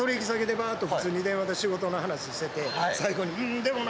んでもな。